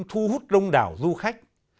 thu hút đông đảo du khách